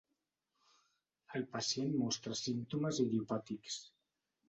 El pacient mostra símptomes idiopàtics.